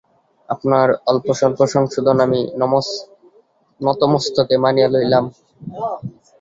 আপনার অল্প স্বল্প সংশোধন আমি নতমস্তকে মানিয়া লইলাম।